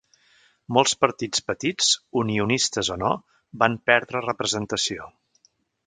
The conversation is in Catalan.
Molts partits petits, unionistes o no, van perdre representació.